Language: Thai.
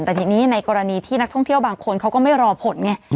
แต่ทีนี้ในกรณีที่นักท่องเที่ยวบางคนเขาก็ไม่รอผลไง